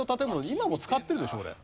今も使ってるでしょこれ。